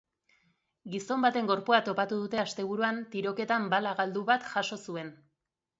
Gizon baten gorpua topatu dute asteburuan tiroketan bala galdu bat jaso zuen.